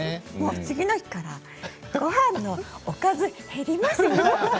次の日からごはんのおかず減りますよ。